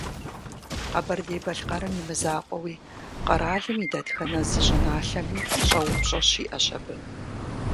Къэбэрдей-Балъкъэрым имызакъуэуи, къэралым и дэтхэнэ зы щӏыналъэми щӏэупщӏэ щиӏэщ абы.